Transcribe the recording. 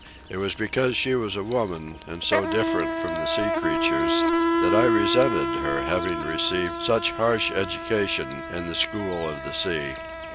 It was because she was a woman, and so different from the sea creatures, that I resented her having received such harsh education in the school of the sea.